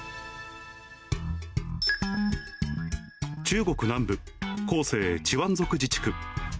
中国南部、広西チワン族自治区。